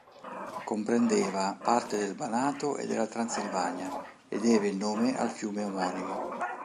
Comprendeva parte del Banato e della Transilvania e deve il nome al fiume omonimo.